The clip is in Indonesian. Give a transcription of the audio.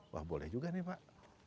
wah boleh juga nih pak